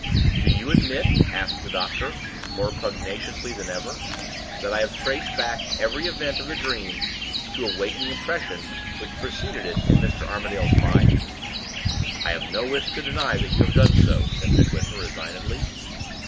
"Do you admit," asked the doctor, more pugnaciously than ever, "that I have traced back every event of the dream to a waking impression which preceded it in Mr. Armadale's mind?" "I have no wish to deny that you have done so," said Midwinter, resignedly.